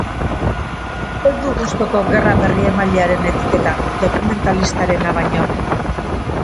Ez du gustuko gerra-berriremailearen etiketa, dokumentalistarena baino.